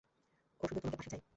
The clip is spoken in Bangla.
ও শুধু তোমাকে পাশে চায়।